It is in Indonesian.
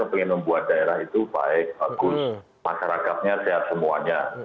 ingin membuat daerah itu baik bagus masyarakatnya sehat semuanya